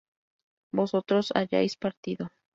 vosotros hayáis partido